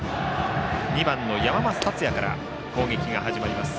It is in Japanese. ２番の山増達也から攻撃が始まります。